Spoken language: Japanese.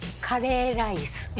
カレーライス？